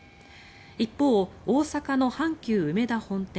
一方、大阪の阪急うめだ本店